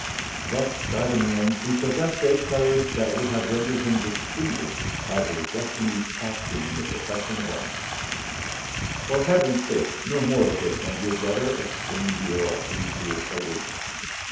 _"—"_Thus died a man who possessed a courage that would have rendered him distinguished had his destinies cast him in the profession of arms._" "For heaven's sake, no more of this, my dear brother," exclaimed the Earl, painfully excited.